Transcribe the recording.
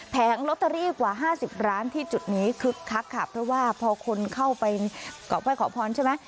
แผงล็อตเตอรี่กว่า๕๐ล้านที่จุดนี้คือคักค่ะเพราะว่าพอคนเข้าไปขอพ้นใช่ไหม